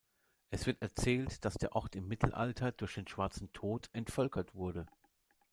Es wird erzählt, dass der Ort im Mittelalter durch den "Schwarzen Tod" entvölkert wurde.